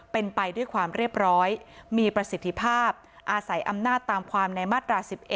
เป็นไปด้วยความเรียบร้อยมีประสิทธิภาพอาศัยอำนาจตามความในมาตรา๑๑